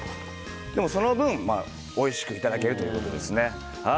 その分、おいしくいただけるということですね。